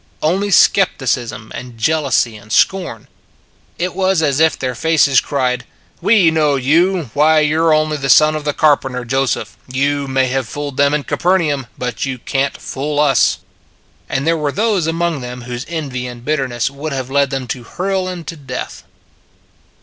Only skep ticism and jealousy and scorn. It was as if their faces cried: " We know you. Why you re only the son of the carpenter, Joseph. You may have fooled them in Capernaum, but you can t fool us." And there were those among them whose envy and bitterness would have led them to hurl Him to death.